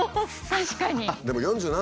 確かに。